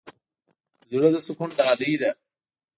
زړه د سکون ډالۍ ده.